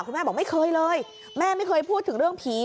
แม่บอกไม่เคยเลยแม่ไม่เคยพูดถึงเรื่องผี